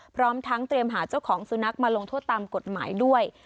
พร้อมทั้งเตรียมหาเจ้าของสุนัขมาลงโทษตามกฎหมายด้วย